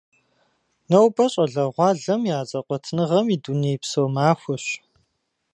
Нобэ щӏалэгъуалэм я зэкъуэтыныгъэм и дунейпсо махуэщ.